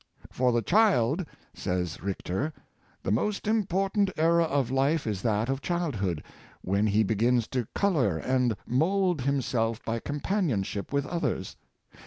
" For the child," says Richter, " the most important era of life is that of child hood, when he begins to color and mould himself by companionship with others.